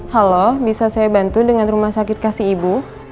halo bisa saya bantu dengan rumah sakit kasih ibu